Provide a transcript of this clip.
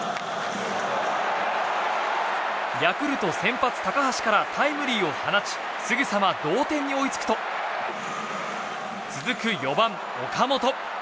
ヤクルト先発、高橋からタイムリーを放ちすぐさま同点に追いつくと続く４番、岡本。